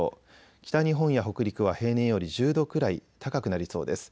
北日本や北陸は平年より１０度くらい高くなりそうです。